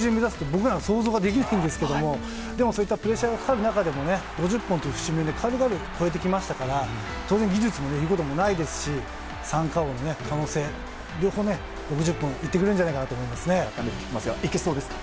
僕には想像できないんですがでも、そういったプレッシャーがかかる中、５０本という節目を軽々超えてきましたから当然、技術も言うことないですし三冠王の可能性、６０本もいってくれるんじゃないですか。